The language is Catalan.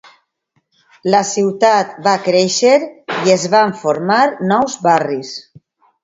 La ciutat va créixer i es van formar nous barris.